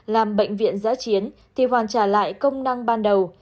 làm bệnh viện giã chiến thì hoàn trả lại công năng ban đầu